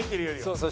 そう。